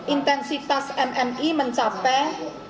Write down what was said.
intensitas mmi mencapai empat